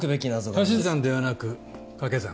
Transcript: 足し算ではなくかけ算。